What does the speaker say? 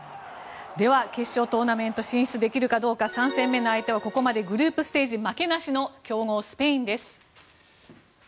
決勝トーナメント進出できるかどうか３戦目の相手はここまでグループステージ負けなしの強豪スペインです。